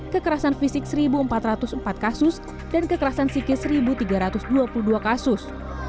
kekerasan fisik satu empat ratus empat kasus dan kekerasan psikis satu tiga ratus dua puluh dua kasus